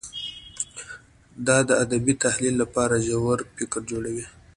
دا د ادبي تحلیل لپاره ژور فکر جوړوي.